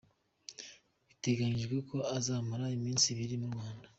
Biteganijwe ko azamara iminsi ibiri mu Rwanda.